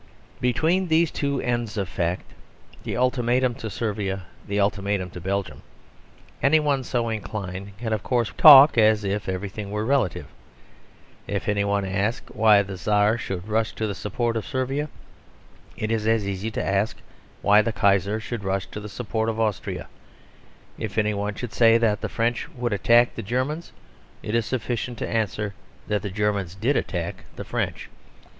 Between these two ends of fact, the ultimatum to Servia, the ultimatum to Belgium, any one so inclined can of course talk as if everything were relative. If any one ask why the Czar should rush to the support of Servia, it is as easy to ask why the Kaiser should rush to the support of Austria. If any one say that the French would attack the Germans, it is sufficient to answer that the Germans did attack the French.